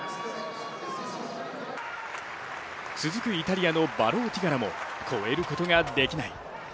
続くイタリアのバローティガラも越えることができない。